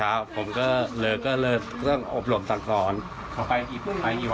เขาไปกี่วันไปปล่อยไหม